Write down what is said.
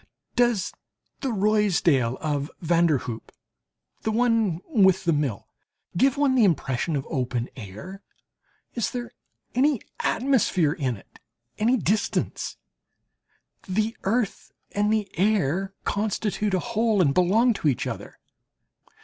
Does the Ruysdael of van der Hoop (the one with the Mill) give one the impression of open air? Is there any atmosphere in it any distance? The earth and the air constitute a whole and belong to each other.